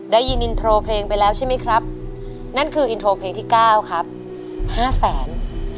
ได้ยินอินโทรเพลงไปแล้วใช่ไหมครับนั่นคืออินโทรเพลงที่เก้าครับห้าแสน